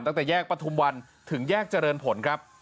ตั้งแต่แยกประทุมวันถึงแยกเจริญผลครับ